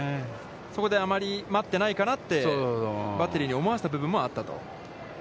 そこであまり待ってないかなって、バッテリーに思わせた部分もあったと？